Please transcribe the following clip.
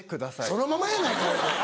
そのままやないかほいで。